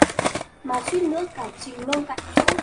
Mà suýt nữa cả trình nôn tại chỗ